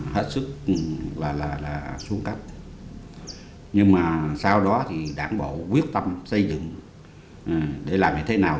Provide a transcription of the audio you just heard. hết sức là xuống cấp nhưng mà sau đó thì đảng bộ quyết tâm xây dựng để làm như thế nào